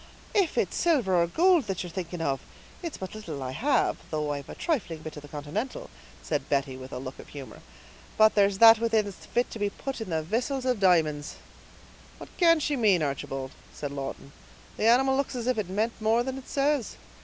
"If it's silver or goold that ye're thinking of, it's but little I have, though I've a trifling bit of the continental," said Betty, with a look of humor; "but there's that within that's fit to be put in vissils of di'monds." "What can she mean, Archibald?" asked Lawton. "The animal looks as if it meant more than it says!"